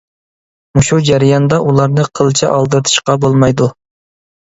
مۇشۇ جەرياندا ئۇلارنى قىلچە ئالدىرىتىشقا بولمايدۇ.